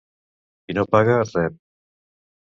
Qui no paga rep.